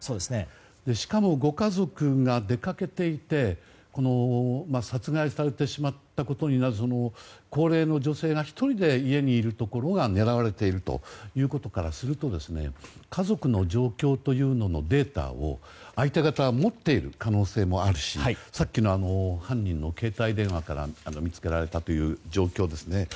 しかも、ご家族が出かけていて殺害されてしまったことに高齢の女性が１人で家にいるところが狙われていることからすると家族の状況というデータを相手方は持っている可能性もあるしさっきの犯人を携帯電話から見つけられたという状況ですね